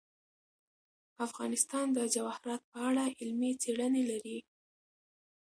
افغانستان د جواهرات په اړه علمي څېړنې لري.